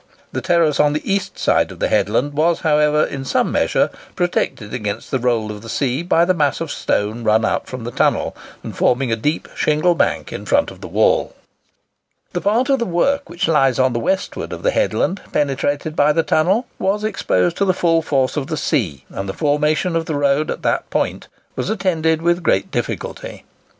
The terrace on the east side of the headland was, however, in some measure protected against the roll of the sea by the mass of stone run out from the tunnel, and forming a deep shingle bank in front of the wall. The part of the work which lies on the westward of the headland penetrated by the tunnel, was exposed to the full force of the sea; and the formation of the road at that point was attended with great difficulty.